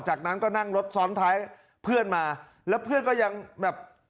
จากนั้นก็นั่งรถซ้อนท้ายเพื่อนมาแล้วเพื่อนก็ยังแบบ